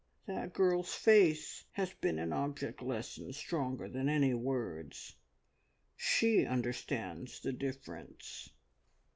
"That girl's face has been an object lesson stronger than any words. She understands the difference."